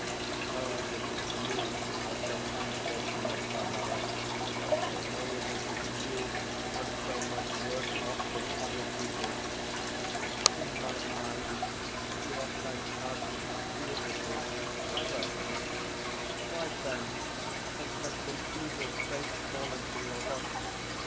How is it that YOU are so unfortunate, Barbara? How is it that YOU are so much worse off than other people? In my eyes you are kind hearted, beautiful, and clever why, then, has such an evil fate fallen to your lot?